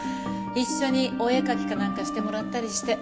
一緒にお絵描きかなんかしてもらったりして。